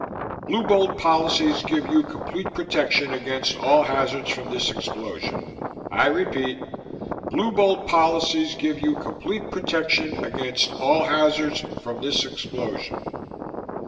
"Blue Bolt policies give you complete protection against all hazards from this explosion. I repeat, Blue Bolt policies give you complete protection against all hazards from this explosion.